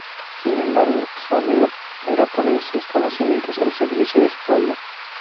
Sin embargo, su anhelo era poner sus conocimientos al servicio de su pueblo.